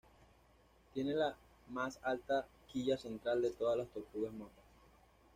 Tiene la más alta quilla central de todas las tortugas mapa.